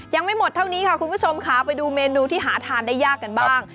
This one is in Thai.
ยังไม่หมดเท่านี้ค่ะคุณผู้ชมค่ะไปดูเมนูที่หาทานได้ยากกันบ้าง